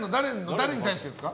誰に対してですか？